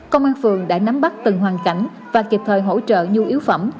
công an phường đã nắm bắt từng hoàn cảnh và kịp thời hỗ trợ nhu yếu phẩm